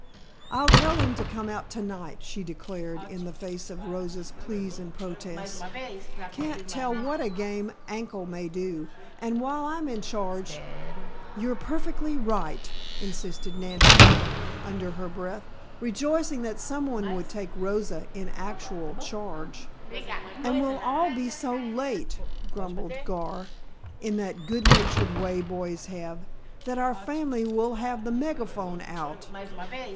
"I'll tell him to come out tonight," she declared in the face of Rosa's pleas and protests. "Can't tell what a game ankle may do, and while I'm in charge " "You're perfectly right," insisted Nancy under her breath, rejoicing that someone would take Rosa in actual charge. "And we'll all be so late " grumbled Gar, in that good natured way boys have, "that our family will have the megaphone out.